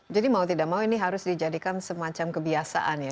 jadi mau tidak mau ini harus dijadikan semacam kebiasaan ya